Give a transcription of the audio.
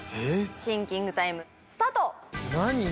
シンキングタイムスタート！